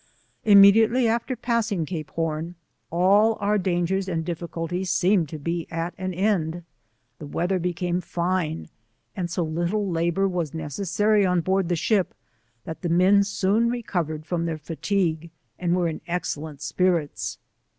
Immediately after passing. Cape Horn, all oar dangers and ditHcultles seemed to be at an end; the weather became fine, and so little labour was ne* tjessary on board the ship^ that the men soon reco vered from their fatigue and were in excellent npirits.